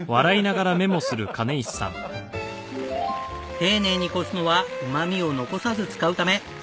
丁寧にこすのはうまみを残さず使うため。